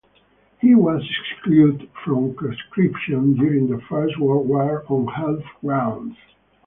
He was excluded from conscription during the First World War on health grounds.